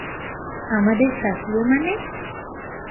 আমাদের সাপুড়ে মানে?